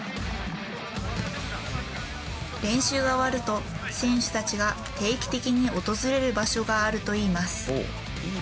練習が終わると選手たちが定期的に訪れる場所があるといいます。